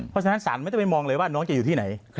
เพราะฉะนั้นศาลไม่ต้องไปมองเลยว่าน้องจะอยู่ที่ไหน